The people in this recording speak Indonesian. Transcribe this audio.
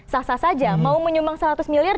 sah sah saja mau menyumbang seratus miliar